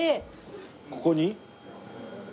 ここに？